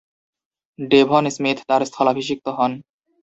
Devon Smith তার স্থলাভিষিক্ত হন।